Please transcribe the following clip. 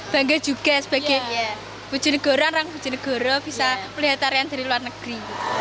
bangga juga sebagai bujonegoro orang bujonegoro bisa melihat tarian dari luar negeri